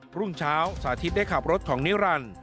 รุ่งเช้าสาธิตได้ขับรถของนิรันดิ์